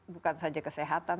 bukan saja kesehatan